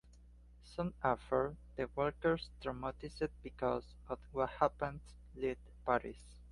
Soon after, the Walkers, traumatized because of what happened, leave Paris.